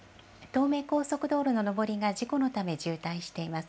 東名高速道路の上りが事故のため渋滞しています。